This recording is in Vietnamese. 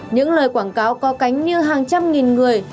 những lời quảng cáo có cánh như hàng trăm nghìn người